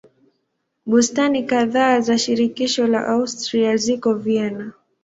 Bustani kadhaa za shirikisho la Austria ziko Vienna.